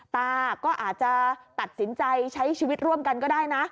ตาก็อาจจะตัดสินใจใช้ชีวิตร่วมกันก็ได้นะ